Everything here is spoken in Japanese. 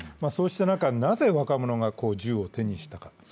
そうした中、なぜ若者が銃を手にしたか。